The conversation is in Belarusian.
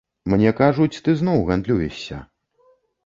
Мне кажуць, ты зноў гандлюешся.